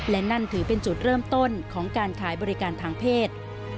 และนั่นถือเป็นจุดเริ่มต้นของการขายบริการทางเพศ